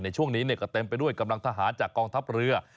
ช่วงนี้ก็เต็มไปด้วยกำลังทหารจากกองทัพเรือ